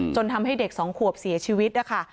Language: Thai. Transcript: จนทำให้เด็กสองขวบเสียชีวิตแล้วค่ะ